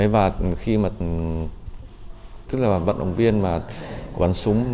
và khi mà tức là vận động viên mà